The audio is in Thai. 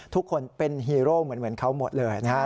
ทุกคนเป็นฮีโร่เหมือนเหมือนเขาหมดเลยครับ